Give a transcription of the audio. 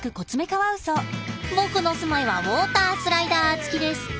僕の住まいはウォータースライダーつきです。